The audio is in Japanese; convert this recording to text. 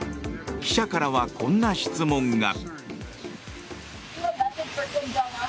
記者からはこんな質問が。